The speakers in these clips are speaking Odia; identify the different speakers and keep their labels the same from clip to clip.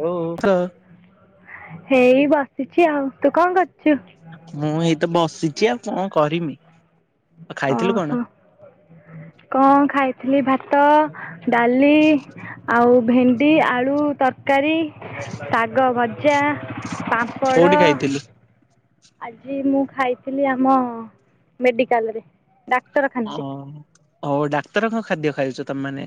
Speaker 1: ମଉ ଥ
Speaker 2: ହେଇ ବସିଚି ଆଉ ତୁ କଁ କରଚୁ?
Speaker 1: ମୁଁ ଏଇତ ବସିଚି ଆଉ କଁ କରିମି? ଆଉ ଖାଇଥିଲୁ
Speaker 2: ଓହୋ
Speaker 1: କଣ?
Speaker 2: କଣ ଖାଇଥିଲି? ଭାତ ଡାଲି ଆଉ ଭେଣ୍ଡି ଆଳୁ ତରକାରୀ, ଶାଗ ଭଜା। ପାମ୍ପଡ଼
Speaker 1: କୋଉଠି ଖାଇଥିଲୁ?
Speaker 2: ଆଜି ମୁଁ ଖାଇଥିଲି ଆମ ମେଡିକାଲରେ। ଡାକ୍ତରଖା
Speaker 1: ଓହୋ ହଉ ଡାକ୍ତରଙ୍କ ଖାଦ୍ୟ ଖାଇଛ ତମାନେ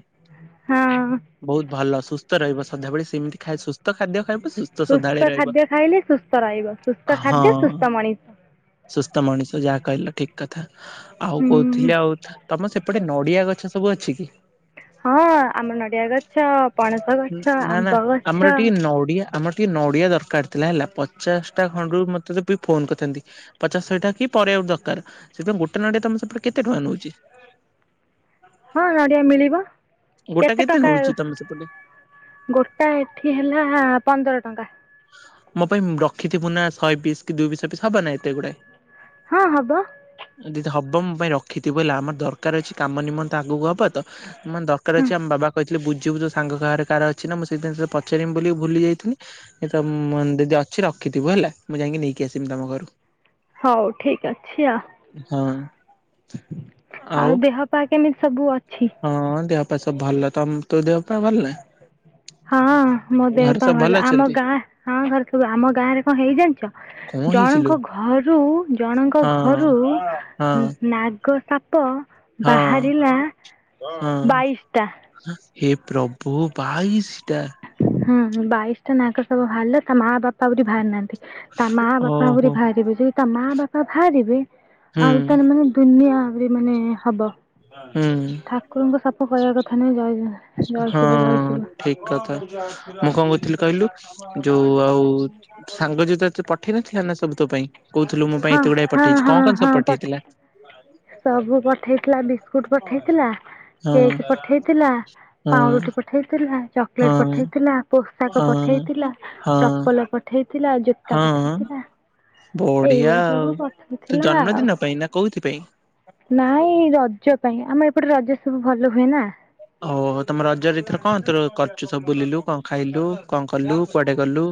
Speaker 2: ହଁ
Speaker 1: ବହୁତ ଭଲ ସୁସ୍ଥ ରହିବ ସଧାବେଳେ ସେମିତି ଖାଇ ସୁସ୍ଥ ଖାଦ୍ୟ ଖାଇବ ସୁ
Speaker 2: ସୁସ୍ଥ ଖାଦ୍ୟ ଖାଇଲେ ସୁସ୍ଥ ରହିବ। ସୁସ୍ଥ
Speaker 1: ହଁ
Speaker 2: ଖାଦ୍ୟ ସୁସ୍ଥ ମଣିଷ।
Speaker 1: ସୁସ୍ଥ ମଣିଷ ଯାହା କହିଲ ଠିକ କଥା। ଆଉ
Speaker 2: ହୁଁ
Speaker 1: କୋଉ ଥିଲେ ଆଉ ତମର ସେପଟେ ନଡିଆ ଗଛ ସବୁ ଅଛି କି?
Speaker 2: ହଁ ଆମ ନଡ଼ିଆ ଗଛ ପଣସ ଗଛ
Speaker 1: ନା ନା
Speaker 2: ଆମ୍ବ ଗଛ
Speaker 1: ଆମର ଏଠି ନଡିଆ ଆମର ଟିକେ ନଡ଼ିଆ ଦରକାର ଥିଲା ହେଲା ପଚାଶଟା ଖଣ୍ଡରୁ ମୋତେ ତିକ ଫୋନ କରିଥାନ୍ତି। ପଚାଶ ଶହେ ଟା କି ପରେ ଆଉ ଦରକାର ସେଥିପାଇଁ ଗୋଟେ ନଡିଆ ତମେ ସେପଟେ କେତେ ଟଙ୍କା ନେଉଛି?
Speaker 2: ହଁ ନଡ଼ିଆ ମିଳିବ।
Speaker 1: ଗୋଟା
Speaker 2: କେତେ ଟଙ୍କା
Speaker 1: ନଉଛି
Speaker 2: ଆ
Speaker 1: ତମେ ସେପଟେ?
Speaker 2: ଗୋଟା ଏଠି ହେଲା ପନ୍ଦର ଟଙ୍କା।
Speaker 1: ମୋ ପାଇଁ ରଖିଥିବୁ ନା ଶହେ ପିସ କି ଦୁଇ ବିଶ ପିସ ହବ ନା ଏତେ ଗୁଡା।
Speaker 2: ହଁ ହବ।
Speaker 1: ଯଦି ହବ ମୋ ପାଇଁ ରଖିଥିବୁ ହେଲା ଆମର ଦରକାର ଅଛି କାମ ନିମନ୍ତେ ଆଗକୁ ହବ ତ। ମାନେ ଦରକାର
Speaker 2: ହଁ
Speaker 1: ଅଛି ଆମ ବାବା କ ବୁଝିବୁ ତ ସାଙ୍ଗ କାର କାହାର ଅଛି ନା ମୁଁ ସେଇଦିନ ତତେ ପଚାରିବି ବୋଲି ଭୁଲି ଯାଇଥିଲି। ସଁ ମ୍ ଯଦି ଅଛି ରଖିଥିବୁ ହେଲା ମୁଁ ଯାଇକି ନେଇକି ଆସିବି ତମ ଘରୁ।
Speaker 2: ହଉ ଠିକ ଅଛି ଆ।
Speaker 1: ହଁ।
Speaker 2: ଆଉ ଦେହ ପା କେମିତି ସବୁ ଅଛି?
Speaker 1: ହଁ ଦେହ ପାଆ ସବୁ ଭଲ ତମ ତୋ ଦେହ ପାଆ ଭଲ ନାଁ?
Speaker 2: ହଁ ମୋ ଦେହ ପାଆ
Speaker 1: ସବୁ
Speaker 2: ଭଲ ଆମ
Speaker 1: ଅଛନ୍ତି?
Speaker 2: ଗାଁ ହଁ ହଁ ଯଉ ଆମ ଗାଁରେ କଣ ହେଇ ଜାଣିଛ?
Speaker 1: କଣ ହେଇଛି ଲୋ
Speaker 2: ଜଣଙ୍କ ଘରୁ ଜଣଙ୍କ
Speaker 1: ହଁ
Speaker 2: ଘରୁ ଉଁ
Speaker 1: ହଁ
Speaker 2: ନାଗ ସାପ୍ ପ୍
Speaker 1: ହଁ।
Speaker 2: ବାହାରିଲା
Speaker 1: ହଁ
Speaker 2: ବାଇଶିଟା।
Speaker 1: ହେ ପ୍ରଭୁ ବାଇଶିଟା।
Speaker 2: ହୁଁ ହୁଁ ବାଇଶଟା ନାଗ ସାପ ବାହାରିଲା ତା ମା ବାପା ଆହୁରି ବାହାରି ନାହାଁନ୍ତି। ତା ମା ବାପା
Speaker 1: ଓହୋ।
Speaker 2: ଆହୁରି ଭାରିବେ, ଯଦି ତା ମା ବାପା ଭାରିବେ ଆହୁରି ତାନଲେ
Speaker 1: ହୁଁ।
Speaker 2: ମାନେ ଦୁନିଆ ଆହୁରି ମାନେ ହବ।
Speaker 1: ହୁଁ
Speaker 2: ଠାକୁରଙ୍କ ସାପ କହିବା କଥା ନୁହେଁ ଜୟ ଜଗନ୍ନାଥ।
Speaker 1: ହଁ ଠିଁକ କଥା ମୁଁ କଣ କହୁଥିଲି କହିଲୁ? ଯୋଉଁ ଆଉ ସାଙ୍ଗ ଯଉ ତୋତେ ପଠେଇ ନ ଥିଲା ନାଁ ସବୁ ତୋ ପାଇଁ। କହୁଥିଲୁ ମୋ ପାଇଁ
Speaker 2: ହଁ
Speaker 1: ଏତେ ଗୁଡାଏ
Speaker 2: ହଁ
Speaker 1: ପଠେଇଛି,
Speaker 2: ହଁ
Speaker 1: କଣ କଣ
Speaker 2: ହଁ
Speaker 1: ସବୁ
Speaker 2: ପଠେ
Speaker 1: ପଠେଇଥିଲା?
Speaker 2: ସବୁ ପଠେଇଥିଲା ବିସ୍କୁଟ ପଠେଇଥିଲା,
Speaker 1: ହଁ
Speaker 2: କେକ୍ ପଠେଇଥିଲା,
Speaker 1: ହଁ
Speaker 2: ପାଉଁରୁଟି ପ୍ ପଠେଇଥିଲା, ଚକୋଲେଟ
Speaker 1: ହଁ
Speaker 2: ପଠେଇଥିଲା, ପୋଷାକ
Speaker 1: ହଁ
Speaker 2: ପଠେଇଥିଲା,
Speaker 1: ହଁ
Speaker 2: ଚପଲ ପଠେଇଥିଲା, ଯୋ ତା
Speaker 1: ହଁ
Speaker 2: ପଠେଇଥିଲା।
Speaker 1: ବଢିଆ
Speaker 2: ଏଇଗୁଡା
Speaker 1: ଆଉ,
Speaker 2: ସବୁ
Speaker 1: ତୋ
Speaker 2: ପଠେଇଥିଲା ଆଉ।
Speaker 1: ଜନ୍ମଦିନ ପାଇଁ ନାଁ କୋଉଥି ପାଇଁ?
Speaker 2: ନାଇଁ ରଜ ପାଇଁ ଆମ ଏପଟେରେ ରଜ ସବୁ ଭଲ ହୁଏ ନାଁ।
Speaker 1: ଓଁ ହଁ ତମ ରଜରେ ଏଥର କଣ ତୋର କରୁଛୁ ସବୁ ବୁଲିଲୁ କଣ ଖାଇଲୁ କଣ କଲୁ କୁଆଡେ ଗଲୁ?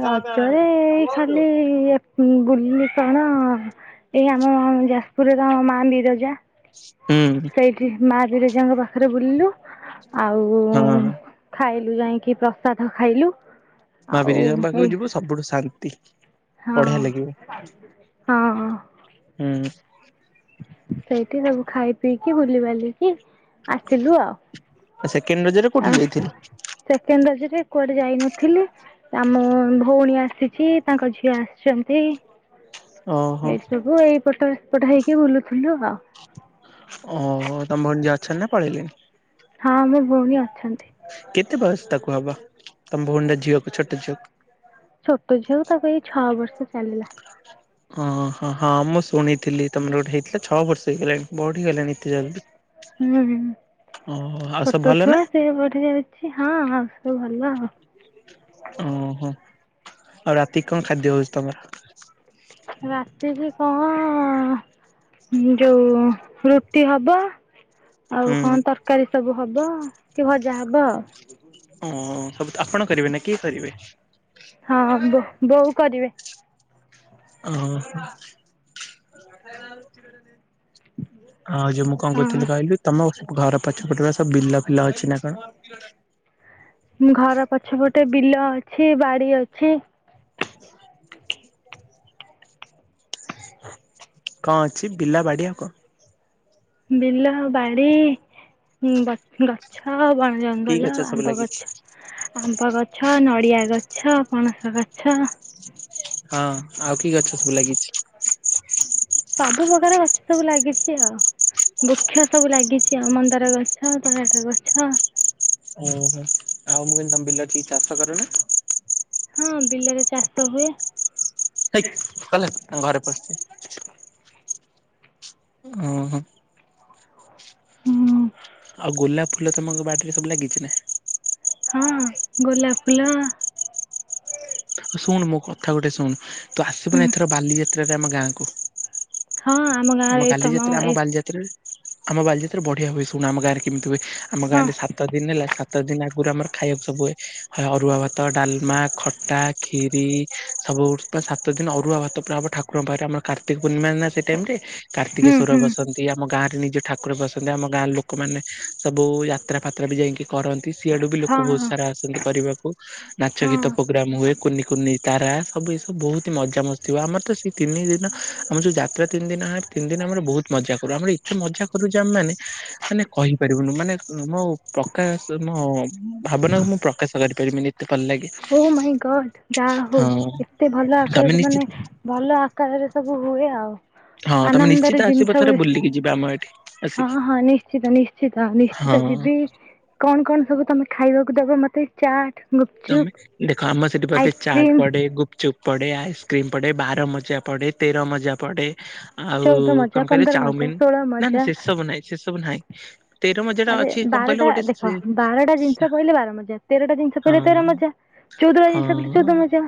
Speaker 2: ରଜରେ ଏଁ ଇ ଖାଲି ଇଏ ବୁଲିଲି କଣ ଏଇ ଆମ ଯାଜପୁରର ମା ବିରଜା।
Speaker 1: ହୁଁ।
Speaker 2: ଏଇଠି ମା ବିରଜାଙ୍କ ପାଖରେ ବୁଲିଲୁ ଆଉ
Speaker 1: ହଁ
Speaker 2: ଖାଇଲୁ ଯାଇଁକି ପ୍ରସାଦ ଖାଇଲୁ।
Speaker 1: ମା
Speaker 2: ଆଉ
Speaker 1: ବିରଜାଙ୍କ
Speaker 2: ଏଇ
Speaker 1: ପାଖକୁ ଯିବୁ ସବୁଠୁ ଶାନ୍ତି। ବଢିଆ ଲାଗିବ
Speaker 2: ହଁ ହଁ।
Speaker 1: ହୁଁ।
Speaker 2: ସେଇଠି ସବୁ ଖାଇ ପିଇକି ବୁଲିବାଲି କି ଆସିଲୁ ଆଉ
Speaker 1: ସେକେଣ୍ଡ ରଜରେ କୋଉଠି
Speaker 2: ଆହଁ।
Speaker 1: ଯାଇଥିଲୁ?
Speaker 2: ସେକେଣ୍ଡ ରଜରେ କୁଆଡେ ଯାଇନଥିଲି। ଆମ ମୋ ଭଉଣୀ ଆସିଛି ତାଙ୍କ ଝିଅ ଆସିଛନ୍ତି।
Speaker 1: ଓହୋ
Speaker 2: ଏସବୁ ଏଇପଟସେପଟ ହେଇକି ବୁଲୁଥିଲୁ ଆଉ।
Speaker 1: ଓତମ ଭଉଣୀ ଯିଏ ଅଛନ୍ତି ନାଁ ପଳେଇଲେଣି?
Speaker 2: ହଁ ମୋ ଭଉଣୀ ଅଛନ୍ତି।
Speaker 1: କେତେ ବୟସ ତାକୁ ହବ ତମ ଭଉଣୀର ଝିଅକୁ ଛୋଟ ଝିଅକୁ?
Speaker 2: ଛୋଟ ଝିଅ ତାକୁ ଏଇ ଛଅ ବର୍ଷ ଚାଲିଲା।
Speaker 1: ଓଁ ହଁ ହଁ ମୁଁ ଶୁଣିଥିଲି ତମର ଗୋଟେ ହେଇଥିଲା ଛଅ ବର୍ଷ ହେଇଗଲାଣି ବଢିଗଲାଣି। ଏତେ ଜଲଦି,
Speaker 2: ହୁଁ
Speaker 1: ଓଁ ହଁ ଆଉଁ ସବୁ ଭଲ ନାଁ?
Speaker 2: ସେବଢି ଯାଉଛି ହଁ ହଁ ସବୁ ଭଲ ଆଉ।
Speaker 1: ଓଁ ହୋ, ଆଉ ରାତି କଣ ଖାଦ୍ୟ ହଉଛି ତମର?
Speaker 2: ରାତିକି କଅଁ ଯୋଉ ରୁଟି ହବ।
Speaker 1: ହୁଁ
Speaker 2: ଆଉ କଣ ତରକାରୀ ସବୁ ହବ, କି ଭଜା ହବ ଆଉ।
Speaker 1: ଓଁ ସବୁ ଆପଣ କରିବେ ନା କିଏ କରିବେ?
Speaker 2: ହଁ ବ ବୋଉ କରିବେ।
Speaker 1: ଓହୋ। ଆଁ ଯଉ ମୁଁ କଣ କହୁଥିଲି
Speaker 2: ହଁ।
Speaker 1: କହିଲୁ? ତମ ଘର ପଛପଟେ ବା ସବୁ ବିଲ ଫିଲ ଅଛି ନାଁ କଣ?
Speaker 2: ଘର ପଛପଟେ ବିଲ ଅଛି ବାଡି ଅଛି।
Speaker 1: କଣ ଅଛି ବିଲାବାଡି ଆଉ କଣ?
Speaker 2: ବିଲ ବାଡି ଗଛ ବଣ
Speaker 1: କି ଗଛ
Speaker 2: ଜଙ୍ଗଲ
Speaker 1: ସବୁ
Speaker 2: ଆମ୍ବ
Speaker 1: ଲାଗିଛି?
Speaker 2: ଗଛ। ଆମ୍ବ ଗଛ, ନଡିଆ ଗଛ, ପଣସ ଗଛ।
Speaker 1: ହଁ ଆଉ କି ଗଛ ସବୁ ଲାଗିଛି?
Speaker 2: ସବୁ ପ୍ରକାର ଗଛ ସବୁ ଲାଗିଛି ଆଉ। ବୃକ୍ଷ ସବୁ ଲାଗିଛି ଆ ମନ୍ଦାର ଗଛ ତରାଟ ଗଛ।
Speaker 1: ଓହୋ, ଆଉ ମୁଁ କହିନି ତମ ବିଲ ଟିକେ ଚାଷ କରନା?
Speaker 2: ହଁ ବିଲରେ ଚାଷ ହୁଏ।
Speaker 1: ହେଇ ଚାଲେ ଘରେ ପଶୁଛି। ଓହୋ।
Speaker 2: ହୁଁ।
Speaker 1: ଆଉ ଗୋଲାପ ଫୁଲ ତମ ବାଟରେ ସବୁ ଲାଗିଛି ନା?
Speaker 2: ହୁଁ ଗୋଲାପ ଫୁଲ
Speaker 1: ଶୁଣୁ ମୋ କଥା ଗୋଟେ ଶୁଣୁ ତୁ
Speaker 2: ହୁଁ
Speaker 1: ଆସିବୁନ ଏଥର ବାଲିଯାତ୍ରାରେ ଆମ ଗାଁକୁ?
Speaker 2: ହଁ
Speaker 1: ଆମ
Speaker 2: ଗାଁରେ ଏଇ ତମ
Speaker 1: ବାଲିଯାତ୍ରା ଆମ
Speaker 2: ଏ
Speaker 1: ବାଲିଯା ଆମ ବାଲିଯାତ୍ରା ବଢିଆ ହୁଏ ଶୁଣ ଆମ ଗାଁରେ କେମିତି ହୁଏ ଆମ
Speaker 2: ହଁ
Speaker 1: ଗାଁରେ ସା ସାତ ଦିନ ହେଲା ସାତ ଦିନ ଆ ଗୁରୁ ଆମର ଖାଇବାକୁ ସବୁ ହୁଏ ଅରୁଆ ଭାତ ଡାଲମା ଖଟା କ୍ଷୀରି ସବୁ ସାତ ଦିନ ଅରୁଆ ଭାତ ପୁରା ହବ ଠାକୁରଙ୍କ ପାଖରେ ଆମର କାର୍ତ୍ତିକ ପୂର୍ଣ୍ଣିମା ସେ ଟାଇମ ରେ।
Speaker 2: ହୁଁ
Speaker 1: କାର୍ତ୍ତିକେସ୍ୱର
Speaker 2: ହୁଁ
Speaker 1: ବସନ୍ତି ଏଇ ଆମ ଗାଁ ରେ ନିଜ ଠାକୁର ବସନ୍ତି ଆମ ଗାଁର ଲୋକମାନେ ସବୁ ଯାତ୍ରା ଫାତ୍ର ବି ଯାଇକି କରନ୍ତି। ସିଆଡୁ ବି ଲୋକ
Speaker 2: ହଁ
Speaker 1: ବହୁତ ସାରା ଆସନ୍ତି କରିବାକୁ ନାଚ
Speaker 2: ହଁ
Speaker 1: ଗୀତ ପ୍ରୋଗ୍ରାମ ହୁଏ। କୁନି କୁନି ତାରା ସବୁ ଏସବୁ ବହୁତ ହି ମଜାମସ୍ତି ହୁଏ ଆମର ତ ସେଇ ତିନି ଦିନ ଆମର ଯୋଉ ଯାତ୍ରା ତିନି ଦିନ ହେ ତିନି ଦିନ ଆମର ବହୁତ ମଜା କରୁ ଆମର ଏତେ ମଜା କରୁ ଯେ ଆମେ ମାନେ ମାନେ କହିପାରିବୁନୁ ମାନେ ମୋ। ପ୍ରକାଶ ମୋ ଭାବନାକୁ ମୁଁ ପ୍ରକାଶ କରିପାରିବି ଏତେ ଭଲ ଲାଗେ।
Speaker 2: ଓ ଭାଇ ଗଡ଼୍ ଯା ହଉ
Speaker 1: ହଁ
Speaker 2: ଏତେ ଭଲ
Speaker 1: ତମେ
Speaker 2: ଆକାରରେ ମାନେ
Speaker 1: ନିଶ୍ଚିତ
Speaker 2: ଭଲ। ଆକାରରେ ସବୁ ହୁଏ ଆଉ।
Speaker 1: ହଁ ତମେ
Speaker 2: ଆନନ୍ଦରେ
Speaker 1: ନିଶ୍ଚିତ ଆସିବ ଥରେ
Speaker 2: ଜିନିଷ
Speaker 1: ବୁଲିକି ଯିବ ଆମ ଏଠି।
Speaker 2: ହଁ
Speaker 1: ଆସିକି
Speaker 2: ହଁ ନିଶ୍ଚିତ ନିଶ୍ଚିତ
Speaker 1: ହଁ
Speaker 2: ନିଶ୍ଚିତ ଯିବି। କଣ କଣ ସବୁ ତମେ ଖାଇବାକୁ ଦବ ମତେ। ଚାଟ ଗୁପ୍
Speaker 1: ତମେ ଦେଖ ଆମ ସେଠି ପଟେ ଚାଟ ପଡେ ଗୁ ଗୁପ୍ ଚୁପ୍ ପଡେ ଆଇସ୍କ୍ରିମ୍ ପଡେ ବାର ମଜା ପଡେ ତେର ମଜା ପଡେ। ଆଉ
Speaker 2: ଚଉଦ ମଜା
Speaker 1: କଁ କହିଲ
Speaker 2: ପନ୍ଦର ମଜା
Speaker 1: ଚାଉମିିନ
Speaker 2: ଷୋଳ
Speaker 1: ନା ନା
Speaker 2: ମଜା।
Speaker 1: ସେ ସବୁ ନାହିଁ ସେ ସବୁ ନାହିଁ। ତେର ମଜା ଟା
Speaker 2: ଆରେ
Speaker 1: ଅଛି କଁ କହିଲ ଗୋଟେ ସେ।
Speaker 2: ପଡି ଲେ ବାର ମଜା ତେରଟା ଜିନିଷ
Speaker 1: ହଁ
Speaker 2: ପିଇଲେ ତେର ମଜା ଚଉଦଟା ଜିନିଷ ପଇଲେ
Speaker 1: ହଁ
Speaker 2: ଚଉଦ ମଜା।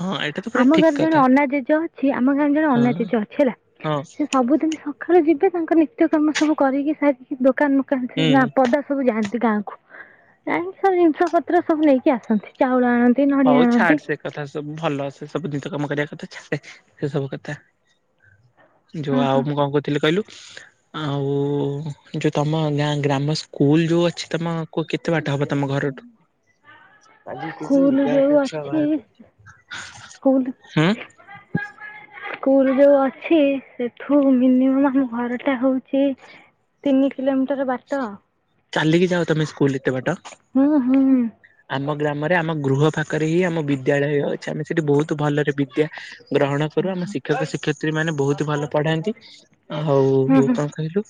Speaker 1: ହଁ ଏଇଟା ତ। ପୁରା
Speaker 2: ଆମ
Speaker 1: ଠିକ
Speaker 2: ଗାଁରେ ଜଣେ
Speaker 1: କଥା
Speaker 2: ଅନା ଜେଜ ଅଛି ଆମ ଗାଁରେ ଜଣେ
Speaker 1: ହଁ
Speaker 2: ଅନା ଜେଜ ଅଛି ହେଲା।
Speaker 1: ହଁ
Speaker 2: ସେ ସବୁଦିନ ସଖାଳେ ଯିବେ ତାଙ୍କ ନିତ୍ୟ କାମ ସବୁ କରିକି ସାରିକି ଦୋକାନ ମୋକାନ ସେ ନା
Speaker 1: ହୁଁ।
Speaker 2: ପଦା। ସବୁ ଯାଆନ୍ତି ଗାଁକୁ ଯାାଇଁକି ସବୁ ଜିନିଷ ପତ୍ର ସବୁ ନେଇକି ଆସନ୍ତି। ଚାଉଳ ଆଣନ୍ତି ନଡିଆ
Speaker 1: ହଉ ଛାଡ
Speaker 2: ଆଣନ୍ତି।
Speaker 1: ସେ କଥା ସବୁ ଭଲ ସେ ସବୁ ନିଜ କାମ କରିବା କଥା ଛାଡ଼େ ସେ ସବୁ କଥା। ଯୋଉ
Speaker 2: ହଁ
Speaker 1: ଆଉ
Speaker 2: ହଁ
Speaker 1: ମୁଁ କଁ କହୁଥିଲି କହିଲୁ। ଆଉ ଯୋଉ ତମ ଗାଁ ଗ୍ରାମ ସ୍କୁଲ ଯୋଉ ଅଛି ତମକୁ କେତେ ବାଟ ହବ ତମ ଘର
Speaker 2: ସ୍କୁଲ ଯୋଉ ଅଛି ସ୍କୁଲ
Speaker 1: [unintelligible]
Speaker 2: [unintelligible] ସ୍କୁଲ ଯୋଉ ଅଛି ସେଠୁ ମିନିମମ୍ ଆମ ଘର ଟା ହଉଛି। ତିନି କିଲୋମିଟର ବାଟ।
Speaker 1: ଚାଲିକି ଯାଅ ତମେ ସ୍କୁଲ ଏତେ ବାଟ।
Speaker 2: ହୁଁ ହୁଁ।
Speaker 1: ଆମ ଗ୍ରାମରେ ଆମ ଗୃହ ପାଖରେ ହିଁ ଆମ ବିଦ୍ୟାଳୟ ଅଛି ଆମେ ସେଠି ବହୁତ ଭଲରେ ବିଦ୍ୟା। ଗ୍ରହଣ କରୁ ଆମ ଶି ଶିକ୍ଷକ ଶିକ୍ଷୟତ୍ରୀ ମାନେ ବହୁତ ଭଲ ପଢାନ୍ତି ଆଉ
Speaker 2: ହୁଁ
Speaker 1: କଁ କହିଲୁ।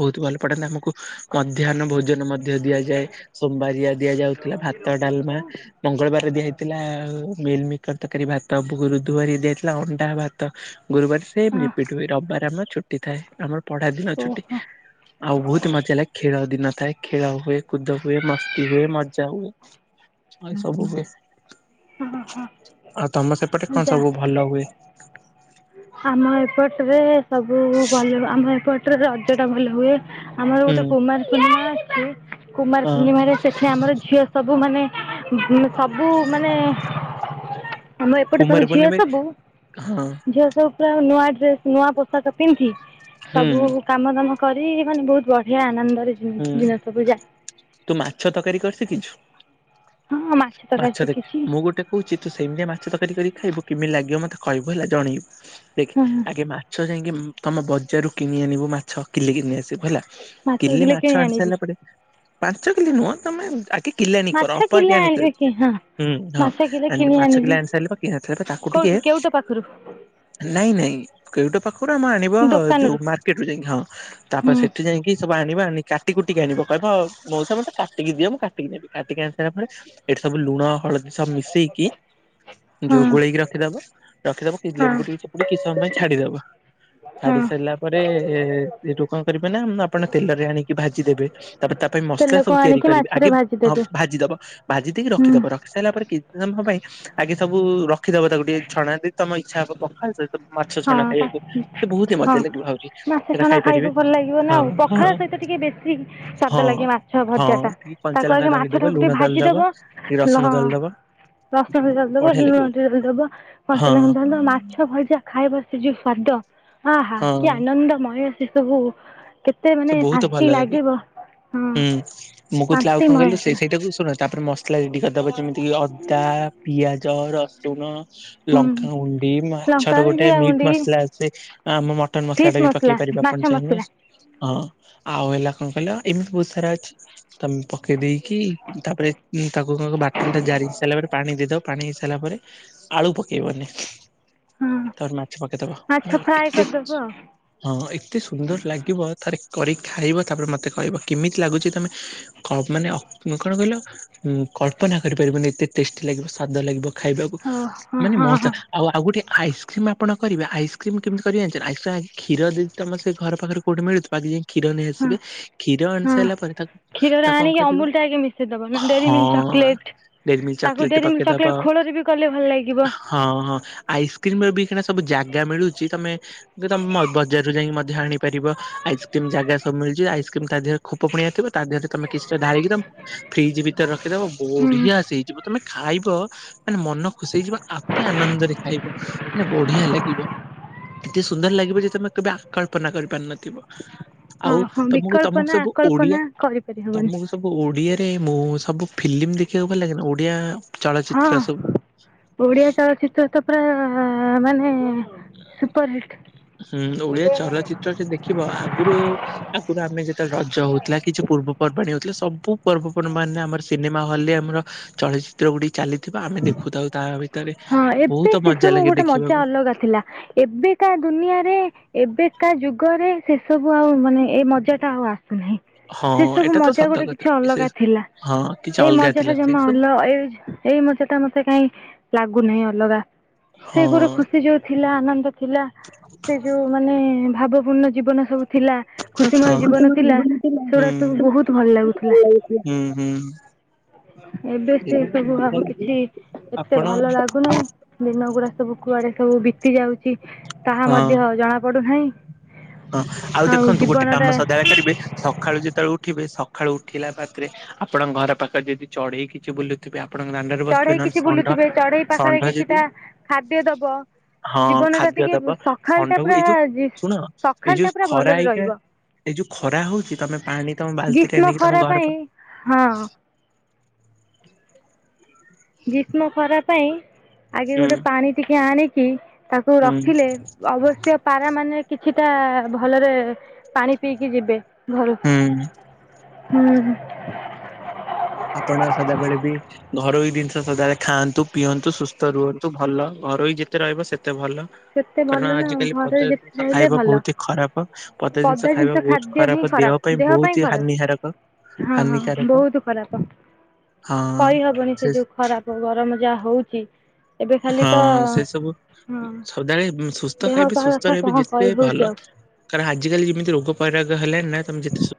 Speaker 1: ବହୁତ ଭଲ ପଢାନ୍ତା ଆମକୁ ମଧ୍ୟାହ୍ନ ଭୋଜନ ମ ମଧ୍ୟ ଦିଆଯାଏ ସୋମବାରିଆ ଦିଆଯାଉଥିଲା ଭାତ ଡାଲମା। ମଙ୍ଗଳବାରେ ଦିଆ ହେଇ ଥିଲା ମିଲ ମିକର ତକାରୀ ଭାତ ବରୁଧୁ ବାରେ ଦିଆାହେଇଥିଲା ଅଣ୍ଡା ଭା ତ ଗୁରୁବାର ସେମ
Speaker 2: ହଁ
Speaker 1: ରିପିଟ ହୁଏ ରବିବାର ଆମର ଛୁଟି ଥାଏ ଆମର ପଢା ଦିନ ଛୁଟି।
Speaker 2: ଓହୋ
Speaker 1: ଆଉ ବହୁତ ମଜା ହେଲା ଖେଳ ଦିନ ଥାଏ ଖେଳ ହୁଏ କୁଦ ହୁଏ ମସ୍ତ ସ୍ତି ହୁଏ ମଜା ହୁଏ ମାନେ ସବୁ ହୁଏ।
Speaker 2: ହଁ ହଁ
Speaker 1: ଆଉ ତମ ସେପଟେ କଁ
Speaker 2: ଯା
Speaker 1: ସବୁ ଭଲ ହୁଏ।
Speaker 2: ଆମ ଏପଟରେ ସବୁ ଭଲ ଆମ ଏପଟ ଟ ରେ ରଜ ଟା ଭଲ ହୁଏ ଆମର
Speaker 1: ହୁଁ
Speaker 2: ଗୋଟେ କୁମାର ପୂର୍ଣ୍ଣିମା ଅଛି କୁମାର
Speaker 1: ହଁ
Speaker 2: ପୂର୍ଣ୍ଣିମାରେ। ସେଠି ଆମର ଝିଅ ସବୁ ମାନେ ଉ ସବୁ ମାନେ। ଆମ ଏପଟେ ସବୁ
Speaker 1: କୁମାର
Speaker 2: ଝିଅ
Speaker 1: ପୂର୍ଣ୍ଣିମା
Speaker 2: ତ
Speaker 1: ହଁ
Speaker 2: ସବୁ ଝିଅ ସବୁ। ପୁରା ନୂଆ ଡ୍ରେସ୍ ନୂଆ ପୋଷାକ ପିନ୍ଧି
Speaker 1: ହୁଁ
Speaker 2: ସବୁ କାମ ଦାମ କରି ମାନେ ବହୁତ ବଢିଆ ଆନନ୍ଦରେ
Speaker 1: ହୁଁ
Speaker 2: ଦିନ ସବୁ ଯାଏ।
Speaker 1: ତୁ ମାଛ ତରକାରୀ କରି ଶିଖିଛୁ?
Speaker 2: ହଁ ତରକାରୀ
Speaker 1: ମାଛ ଦେଖ
Speaker 2: ଶିଖିଛି
Speaker 1: ମୁଁ ଗୋଟେ କହୁଛି ତୁ ସେମିତିଆ ମାଛ ତରକାରୀ କରି ଖାଇବୁ କେମିତି ଲାଗିବ ମତେ କହିବୁ ହେଲା ଜଣେଇବୁ
Speaker 2: ହଁ
Speaker 1: ଦେଖ ଆଗେ ମାଛ ଯାଇକି ତମେ ବଜାରରୁ କିଣି ଆଣିବୁ ମାଛ କିଲେ ଘିନି ଆସିବୁ ହେଲା।
Speaker 2: ମାଛ ରୁ
Speaker 1: କିଲେ
Speaker 2: କିଲୋ କିଣି
Speaker 1: ଆଣି
Speaker 2: ଆଣିବି।
Speaker 1: ସାରିଲା ପାଞ୍ଚ କିଲି ନୁହଁ ତମେ ଆଗେ କିଲେ ଆଣୀ କର
Speaker 2: ମାଛ
Speaker 1: ଅଳପ ଆଗ
Speaker 2: କିଲେ
Speaker 1: ଆଣ କରି
Speaker 2: ଆଣିବି କି ହଁ।
Speaker 1: ହୁଁ ହଁ
Speaker 2: ମାଛ କିଲେ କିଣି
Speaker 1: ମାଛ କିଲେ
Speaker 2: ଆଣିବି
Speaker 1: ଆଣି ସାରିଲେ ପ କି ନଥିଲେ ତାକୁ ଟିକେ
Speaker 2: କୋଉଠୁ କେଉଟ ପାଖରୁ
Speaker 1: ନାଇଁ ନାଇଁ କୋଉଟା ପାଖରୁ ଆମ ଆଣିବ ଯୋଉ
Speaker 2: ଦୋକାନରୁ
Speaker 1: ମାର୍କେଟ ରୁ ଯାଇକି ହଁ ତାପ
Speaker 2: ହୁଁ।
Speaker 1: ସେଠି ଯାଇକି। ସବୁ ଆଣିବା ଆଣ କାଟି କୁଟିକି ଆଣିବ କହିବ ମଉସ ମତ କାିକି ମୁଁ କାିକିେବି କାିକି ଆଣି ସାରିଲା ପରେ। ଏଠି ସବୁ ଲୁଣ ହଳଦୀ ସବୁ ମିଶେଇକି।
Speaker 2: ହଁ
Speaker 1: ଯୋଉ ଗୋଳେଇକି ରଖିଦବ ରଖିଦବ କି
Speaker 2: ହଁ
Speaker 1: ଲେମ୍ବୁ ଟ ଚିପୁଡି କି ସମୟ ପାଇଁ ଛାଡିଦବ। ଛାଡି
Speaker 2: ହଁ
Speaker 1: ସରିଲା ପରେ ଏଇଠୁ କଣ କରିବେ ନା ଆପଣ ତେଲ ରେ ଆଣିକି। ଭାଜି ଦେବେ ତାପରେ ତା ପାଇଁ ମସଲା
Speaker 2: ତେଲକୁ
Speaker 1: ସବୁ ତିଆରି
Speaker 2: ଆଣିକି
Speaker 1: କରିବେ
Speaker 2: ମାଛରେ
Speaker 1: ଆଗେ ହଁ
Speaker 2: ଭାଜିଦେବେ।
Speaker 1: ଭାଜିଦବ। ଭାଜି ଦେଇକି
Speaker 2: ହୁଁ
Speaker 1: ରଖିଦବ ରଖି ସାରିଲା ପରେ କିଛି ସମୟ ପାଇଁ ଆଗେ ସବୁ ରଖିଦବ ତାକୁ ଟିକେ ଛଣା। ତମ ଇଚ୍ଛା ହବ ପଖାଳ ମାଛ
Speaker 2: ହଁ
Speaker 1: ଛଣା ଖାଇବାକୁ ସେ ବହୁତ ହି
Speaker 2: ହଁ
Speaker 1: ମଜା ଲାଗିବ ଆହୁରି
Speaker 2: ମାଛ
Speaker 1: ସେଟା
Speaker 2: ଛଣା
Speaker 1: ଖାଇପାରିବେ
Speaker 2: ଖାଇବ ଭଲ ଲାଗିବ ନା
Speaker 1: ହଁ
Speaker 2: ଆଉ
Speaker 1: ହଁ
Speaker 2: ପଖାଳ ସହିତ ଟିକେ ବେଶୀ
Speaker 1: ହଁ
Speaker 2: ସ୍ଵାଦ ଲାଗେ ମାଛ
Speaker 1: ହଁ
Speaker 2: ଭଜା ଟା
Speaker 1: ଟିକେ କଞ୍ଚା
Speaker 2: ତାକୁ
Speaker 1: ଲଙ୍କା
Speaker 2: ଆଗେ ମାଛ
Speaker 1: ଦଳିଦବ
Speaker 2: ଟାକୁ
Speaker 1: ଲୁଣ
Speaker 2: ଟିକେ
Speaker 1: ଦଳିଦବ
Speaker 2: ଭାଜିଦବ
Speaker 1: ଟିକେ ରସୁଣ
Speaker 2: ହଁ
Speaker 1: ଦଳିଦବ
Speaker 2: ରସୁଣ ଦ
Speaker 1: ବଢିଆ
Speaker 2: ଲୁଣ
Speaker 1: ଲାଗିବ
Speaker 2: ଟିକ୍‌ ଦବ କଞ୍ଚା
Speaker 1: ହଁ
Speaker 2: ଲଙ୍କା ଦବ ମାଛ ଭଜା ଖାଇବା ସେ ଯୋଉ ସ୍ଵାଦ ଆ ହା
Speaker 1: ହଁ
Speaker 2: କି ଆନନ୍ଦମୟ ସେ ସବୁ କେତେ ମାନେ
Speaker 1: ସେ ବହୁତ
Speaker 2: ଶାନ୍ତି
Speaker 1: ଭଲ ଲାଗେ
Speaker 2: ଲାଗିବ ହଁ
Speaker 1: ହୁଁ ମୁଁ କହୁଥିଲି ଆଉ କଣ
Speaker 2: ଶାନ୍ତିମୟ
Speaker 1: କହିଲୁ ସେଇ
Speaker 2: ପୁରା
Speaker 1: ସେଇଟାକୁ ଶୁଣଥିଲି। ତାପରେ ମସଲା ରେଡି କରିଦବ ଯେମିତି କି ଅଦା ପିଆଜ ରସୁଣ
Speaker 2: ହୁଁ
Speaker 1: ଲଙ୍କାାଗୁଣ୍ଡି
Speaker 2: ଲଙ୍କା
Speaker 1: ମାଛର ଗୋଟେ
Speaker 2: ଜିରା
Speaker 1: ମିଟ
Speaker 2: ଗୁଣ୍ଡି
Speaker 1: ମସଲା ଆସେ ଆମ ମଟନ ମସଲା
Speaker 2: ଫିସ୍
Speaker 1: ଟା ବି ପକେଇ ପାରିବେ
Speaker 2: ମାଛ
Speaker 1: ଆପଣ ଚାହିଁଲେ।
Speaker 2: ମସଲା
Speaker 1: ହଁ ଆଉ ହେଲା କଣ କହିଲ ଏମିତି ବହୁତ ସାରା ଅଛି ତମେ ପକେଇ ଦେଇେଇକି ତାପରେ ଉଁ ତାକୁ କଣ ବାଟନ ଟା ଜାରି ହେଇ ସାରିଲା ପରେ ପାଣି ଦେଇଦବ ପାଣି ହେଇସାରିଲା ପରେ ଆଳୁ ପକେଇବନି।
Speaker 2: ହଁ
Speaker 1: ତା ପରେ ମାଛ ପକେଇଦବ
Speaker 2: ମାଛ
Speaker 1: ମାନେ
Speaker 2: ଫ୍ରାଏ
Speaker 1: ଏତେ
Speaker 2: କରିଦେବ
Speaker 1: ହଁ ଏତେ ସୁନ୍ଦର ଲାଗିବ ଥରେ କରିକି ଖାଇବ ତାପରେ ମତେ କହିବ କେମିତି ଲାଗୁଛି ତମେ ମାନେ କଣ କହିଲ? ହଁ କଳ୍ପନା କରିପାରିବନି ଏତେ ଟେଷ୍ଟି ଲାଗିବ ସ୍ଵାଦ ଲାଗିବ ଖାଇବାକୁ
Speaker 2: ଆଉ ହଁ
Speaker 1: ମାନେ
Speaker 2: ହଁ ହଁ
Speaker 1: ମଜା
Speaker 2: ହଁ
Speaker 1: ଆଉ ଆଉ ଗୋଟେ ଆଇସ୍କ୍ରିମ୍ ଆପଣ କରିବେ ଏ ଆଇକ୍ରିମ୍ କେମତିି କରିବେ ଜାଣିଚ ନା ଆଇସ୍କ୍ରି ଖିର ଜଦି ତମ ସେ ଘର ପାଖରେ କଉଠୁ ମିଳୁ ଥି ପାକ ଯାଇ କ୍ଷୀର
Speaker 2: ହଁ
Speaker 1: ନେଇଆସିବେ କ୍ଷୀର ଆଣି
Speaker 2: ହଁ
Speaker 1: ସାରିଲା ପରେ ତାକୁ ତାକୁ କଣ କରିବେ
Speaker 2: ଦବ ଡେରି ମିଲ୍କ
Speaker 1: ହଁ
Speaker 2: ଚକୋଲେଟ
Speaker 1: ଡେରି ମିଲ୍କ
Speaker 2: ତାକୁ
Speaker 1: ଚକୋଲେଟ
Speaker 2: ଡେରି ମ ଚୋଲେଟ
Speaker 1: ପକେଇଦବ
Speaker 2: ଖୋଳରେ ବି କଲେ ଭଲ ଲାଗିବ।
Speaker 1: ହଁ ହଁ ଆଇସ୍କ୍ରିମ ର ବି କେ ସବୁ ଜାଗା ମିଳୁଛି ତମେ ତମେ ବଜାରରୁ ଯାଇକି ମଧ୍ୟ ଆଣିପାରିବ ଆ ଯେମିତି ଜାଗା ସବୁ ମିଳୁଛି ଆଇସ୍କ୍ରିମ ତା ଦେହରେ ଖୋପ ପୁଣିଆ ଥିବ ତା ଦେହରେ ତମେ କିଛିଟା ଢାଳିକି ତମ ଫ୍ରିଜ୍ ବି ରଖିଦେବ
Speaker 2: ହୁଁ
Speaker 1: ବଢିଆ ଆସ ହେଇଯିବ। ତମେ ଖାଇବ ମାନେ ମନ ଖୁସି ହେଇଯିବ, ଅତି ଆନନ୍ଦରେ ଖାଇବ। ମାନେ ବଢିଆ ଲାଗିବ ଏତେ ସୁନ୍ଦର ଲାଗିବ ଯେ, ତମେ କେବେ ଆକଳ୍ପନା କରିପାରିନଥିବ।
Speaker 2: ହଁ
Speaker 1: ଆଉ
Speaker 2: ହଁ
Speaker 1: ତମକୁ
Speaker 2: ବିକଳ୍ପ
Speaker 1: ତମକୁ
Speaker 2: ନା
Speaker 1: ସବୁ
Speaker 2: ଆକଳ୍ପ
Speaker 1: ଓଡିଆ,
Speaker 2: ନା କରିପାରି ହବନି
Speaker 1: ତମକୁ ସବୁ ଓଡିଆରେ ମୁଁ ସବୁ ଫିଲ୍ମ ଦେଖିବାକୁ ଭଲ ଲାଗେନା ଓଡିଆ
Speaker 2: ହଁ,
Speaker 1: ଚଳଚିତ୍ର ସବୁ?
Speaker 2: ଓଡ଼ିିଆ ଚଳଚିତ୍ର ତାପ ମାନେ ସୁପରହିଟ୍।
Speaker 1: ହୁଁ, ଓଡିଆ ଚଳଚିତ୍ର ସେ ଦେଖି ଦେଖିବ ଆଗରୁ ଆଉ ଆଗରୁ ଆମେ ଯେତେବେଳେ ରଜ ହଉଥିଲା କିଛି ପୂର୍ବପର୍ବାଣିୀ ହଉଥିଲା ସବୁ ପର୍ବପର୍ବାଣି ରେ ଆମର ସିନେମା ହଲ ରେ ଆମର ଚଳଚିତ୍ର ଗୁଡିକ ଚାଲିଥିବା ଆମେ ଦେଖୁଥାଉ ତା ଭିତରେ।
Speaker 2: ହଁ ଏବେ
Speaker 1: ବହୁତ
Speaker 2: ସେ
Speaker 1: ମଜା
Speaker 2: ସବୁ
Speaker 1: ଲାଗେ
Speaker 2: ଗୋଟେ ମଜା
Speaker 1: ଦେଖିବାକୁ
Speaker 2: ଅଲଗା ଥିଲା ଏବେ କା ଦୁନିଆରେ ଏବେକା ଯୁଗରେ ସେ ସବୁ ଆଉ ମାନେ ଏ ମଜା ଟା ଆଉ ଆସୁନାହିଁ।
Speaker 1: ହଁ
Speaker 2: ସେ ସବୁ
Speaker 1: ଏଇଟା ତ
Speaker 2: ମଜା
Speaker 1: ସତ
Speaker 2: ଗୋଟେ
Speaker 1: କଥା
Speaker 2: କିଛି
Speaker 1: ସେ
Speaker 2: ଅଲଗା ଥିଲା
Speaker 1: ହଁ କିଛି
Speaker 2: ଏଇ
Speaker 1: ଅଲଗା
Speaker 2: ମଜା ଟା
Speaker 1: ଥିଲା ସେ
Speaker 2: ଜମା
Speaker 1: ସବୁ
Speaker 2: ଅଲ ଏଇ ଏଇ ମଜା ଟା ମତେ କାଇଁ ଲାଗୁନାହିଁ ଅଲଗା ସେ
Speaker 1: ହଁ
Speaker 2: ଗୋଟେ ଖୁସି ଯୋଉ ଥିଲା ଆନନ୍ଦ ଥିଲା, ସେ ଯୋଉ ମାନେ ଭାବପୂର୍ଣ୍ଣ ଜୀବନ ସବୁ ଥିଲା ଖୁସିମୟ
Speaker 1: ହଁ
Speaker 2: ଜୀବନ ଥିଲା
Speaker 1: ହୁଁ
Speaker 2: ସେଗୁଡା ସବୁ ବହୁତ ଭଲ ଲାଗୁଥିଲା।
Speaker 1: ହୁଁ ହୁଁ
Speaker 2: ଏବେ ସେ ସବୁ
Speaker 1: ମଜା
Speaker 2: ଆଉ
Speaker 1: ଲାଗେ
Speaker 2: କିଛି ଏତେ
Speaker 1: ଆପଣ
Speaker 2: ଭଲ ଲାଗୁନାହିଁ ଦିନ ଗୁଡା ସବୁ କୁଆଡେ ସବୁ ବିତି ଯାଉଚି। ତାହା
Speaker 1: ହଁ
Speaker 2: ମଧ୍ୟ ଜଣା ପଡୁନାହିଁ।
Speaker 1: ହଁ ଆଉ ଦେଖନ୍ତୁ ଗୋଟେ
Speaker 2: ଜୀବନ
Speaker 1: କାମ
Speaker 2: ଟା
Speaker 1: ସଦାବେଳେ କରିବେ ସ ସକାଳୁ ଯେତେବେଳେ ଉଠିବେ ସକାଳୁ ଉଠିଲା ମାତ୍ରେରେ ଆପଣ ଘର ପାଖରେ ଯଦି ଚଢେଇ କିଛି ବୁଲୁ ଆପଣଙ୍କ ଦାଣ୍ଡରେ ବସିଥିବେ
Speaker 2: ଚଢେଇ
Speaker 1: ନହେଲେ
Speaker 2: କିଛି
Speaker 1: ଷଣ୍ଢ
Speaker 2: ବୁଲୁଥିବେ ଚଢେଇ ପାଖରେ
Speaker 1: ଷଣ୍ଢ ଯଦି
Speaker 2: କିଛିଟା ଖାଦ୍ୟ ଦବ
Speaker 1: ହଁ,
Speaker 2: ଜୀବନ ଟା
Speaker 1: ଖାଦ୍ୟ
Speaker 2: ଟିକେ
Speaker 1: ଦବ
Speaker 2: ସକାଳ ଟା
Speaker 1: ଷଣ୍ଢକୁ
Speaker 2: ପୁରା
Speaker 1: ଏଇ ଯୋଉ ଶୁଣ ଏଇ
Speaker 2: ସକାଳ ଟା
Speaker 1: ଯୋଉ
Speaker 2: ପୁରା
Speaker 1: ଖରା
Speaker 2: ଭଲରେ
Speaker 1: ହେଇକ୍ଷିଣା
Speaker 2: ରହିବ।
Speaker 1: ଏଇ ଯୋଉ ଖରା ହଉଚି ତମେ ପାଣି ତମ ବାଲ୍ଟିରେ
Speaker 2: ଗ୍ରୀଷ୍ମ
Speaker 1: ନେଇକି ତମ
Speaker 2: ଖରା
Speaker 1: ଘର
Speaker 2: ପାଇଁ
Speaker 1: ପା
Speaker 2: ହଁ। ଗ୍ରୀଷ୍ମ ଖରା ପାଇଁ ଆଗେ
Speaker 1: ହୁଁ
Speaker 2: ଗୋଟେ ପାଣି ଟିକେ ଆଣିକି ତାକୁ
Speaker 1: ହୁଁ
Speaker 2: ରଖିଲେ ଅବଶ୍ୟ ପାରା ମାନେ କିଛିଟା ଭଲରେ ପାଣି ପିଇକି ଯିବେ ଘରୁ।
Speaker 1: ହୁଁ
Speaker 2: ହୁଁ।
Speaker 1: ଆପଣ ସଦାବେଳେ ବି ଘରୋଇ ଜିନିଷ ସଦାବେଳେ ଖାଆନ୍ତୁ, ପିଅନ୍ତୁ, ସୁସ୍ଥ ରୁହନ୍ତୁ ଭଲ ଘରୋଇ ଯେତେ ରହିବ ସେତେ ଭଲ।
Speaker 2: ସେତେ ଭଲ
Speaker 1: କାରଣ
Speaker 2: ନା
Speaker 1: ଆଜିକାଲି
Speaker 2: ଘରେ
Speaker 1: ପଦା
Speaker 2: ଯେତେ
Speaker 1: ଜିନିଷ
Speaker 2: ରହିଲେ
Speaker 1: ଖାଇବା
Speaker 2: ଭଲ।
Speaker 1: ବହୁତ ହି ଖରାପ ପଦା ଜିନିଷ ଖାଇବା ବହୁତ ଖରାପ ଦେହ ପାଇଁ ବହୁତି ହାନିିକାରକ।
Speaker 2: ହଁ ହଁ ବହୁତ ଖରାପ।
Speaker 1: ହଁ
Speaker 2: କହିହବନି ସେ ଯୋଉ ଖରାପ ଗରମ ଯାହା ହଉଚି। ଏବେ ଖାଲି ତ ହଁ।
Speaker 1: ସଦାଳେ ସୁସ୍ଥ
Speaker 2: ଦେହ
Speaker 1: ଖାଇବି
Speaker 2: ପା
Speaker 1: ସୁସ୍ଥ
Speaker 2: କଥା
Speaker 1: ରହିବି
Speaker 2: କ'ଣ
Speaker 1: ଯେତେ
Speaker 2: କହି ହେଉଛି
Speaker 1: ଭଲ।
Speaker 2: ଆଉ
Speaker 1: କାରଣ ଆଜିିକାଲି ଯେମିତି ରୋଗ ପରରାଗ ହେଲାଣି ନା ତମେ ଯେତେ